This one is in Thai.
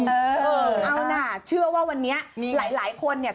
เออเอานะเชื่อว่าวันนี้หลายคนเนี่ย